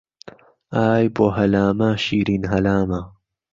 ئای بۆ هەلامە شیرین هەلامە